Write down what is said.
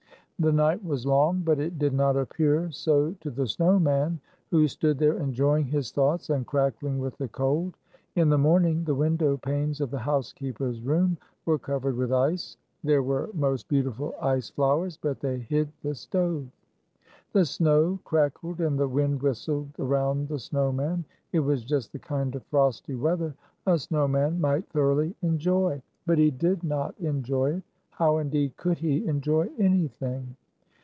The night was long, but it did not appear so to the snow man, who stood there enjoying his thoughts and crackling with the cold. In the morning the window panes of the housekeeper's room were covered with ice. There were most 210 beautiful ice flowers, but they hid the stove. The snow crackled and the wind whistled around the snow man. It was just the kind of frosty weather a snow man might thoroughly enjoy. But he did not enjoy it. How, indeed, could he enjoy anything?